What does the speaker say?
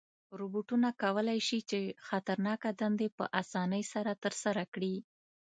روبوټونه کولی شي چې خطرناکه دندې په آسانۍ سره ترسره کړي.